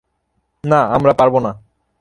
না, আমরা পারবো না।